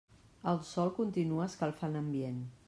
El sol continua escalfant ambient.